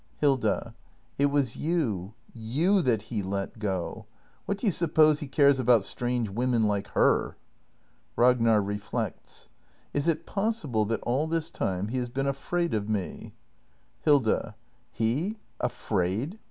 Hilda. It was you — you that he let go! What do you suppose he cares about strange women like her? Ragnar. [Reflects.] Is it possible that all this time he has been afraid of me? Hilda. H e afraid!